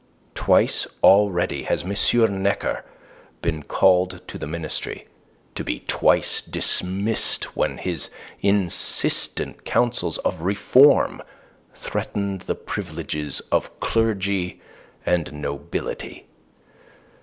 Twice already has M. Necker been called to the ministry, to be twice dismissed when his insistent counsels of reform threatened the privileges of clergy and nobility.